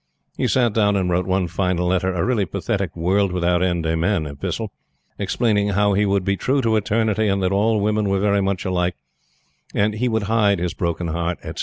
He sat down and wrote one final letter a really pathetic "world without end, amen," epistle; explaining how he would be true to Eternity, and that all women were very much alike, and he would hide his broken heart, etc.